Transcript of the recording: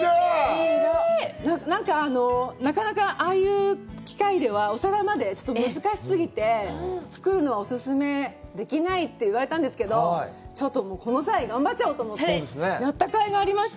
なんか、なかなかああいう機会では、お皿までちょっと難し過ぎて作るのはお勧めできないって言われたんですけど、ちょっとこの際頑張っちゃおうと思ってやったかいがありました！